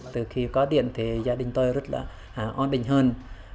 từ khi có điện thì gia đình tôi rất là an bình hơn